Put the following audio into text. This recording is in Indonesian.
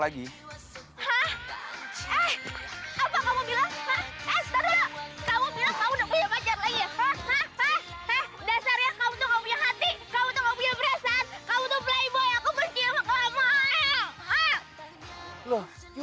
jemmy gak mau